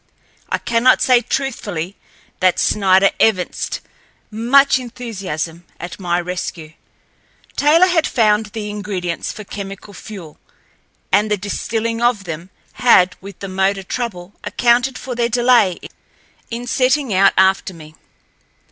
I cannot say truthfully that Snider evinced much enthusiasm at my rescue. Taylor had found the ingredients for chemical fuel, and the distilling of them had, with the motor trouble, accounted for their delay in setting out after me.